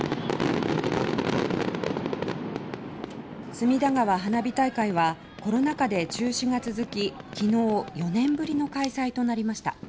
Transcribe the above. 隅田川花火大会はコロナ禍で中止が続き昨日４年ぶりの開催となりました。